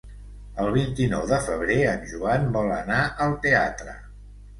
El vint-i-nou de febrer en Joan vol anar al teatre.